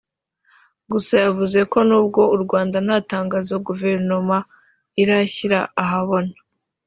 Gusa yavuze ko nubwo u Rwanda nta tangazo guverinoma irashyira ahabona